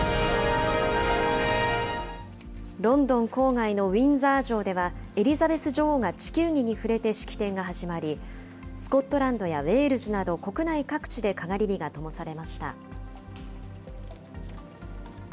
ロンドン郊外のウィンザー城では、エリザベス女王が地球儀に触れて式典が始まり、スコットランドやウェールズなど、国内各地でかがり火がともされました。